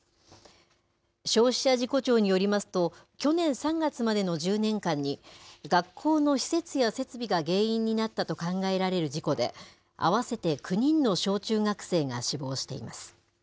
消費者事故調によりますと、去年３月までの１０年間に、学校の施設や設備が原因になったと考えられる事故で、合わせて９人の小中学生が死亡しています。